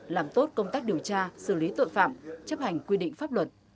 làm tốt công tác điều tra xử lý tội phạm chấp hành quy định pháp luật